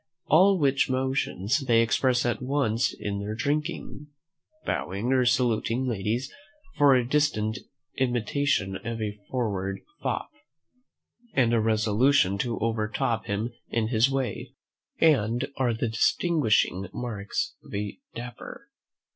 All which motions they express at once in their drinking, bowing or saluting ladies; for a distant imitation of a forward fop, and a resolution to overtop him in his way, are the distinguishing marks of a Dapper.